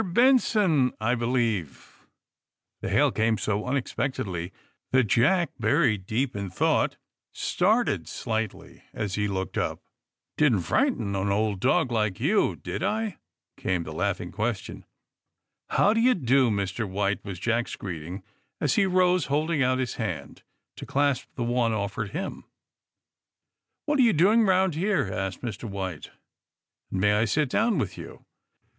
BENSON, I believer' The hail came so iiiiexpectedly that Jack, buried deep in thought, started slightly as he looked up. *^ Didn't frighten an old sea dog like you, did If came the laughing question. '^How do you do, Mr. White f" was Jack's greeting, as he rose, holding out his hand to clasp the one offered him. *^What are you doing around here?" asked Mr. White. *^And may I sit down with you?"